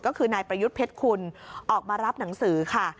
ก็คือนายประยุทธ์เพชรคุณออกมารับหนังสือค่ะ